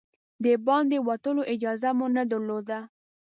د باندې وتلو اجازه مو نه درلوده.